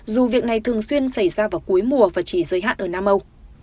dù việc này thường xuyên xảy ra vào cuối mùa và chỉ giới hạn ở nam âu